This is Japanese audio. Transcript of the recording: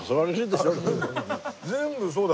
全部そうだ。